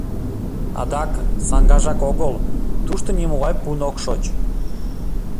Адак саҥгажак огыл, тушто нимогай пун ок шоч.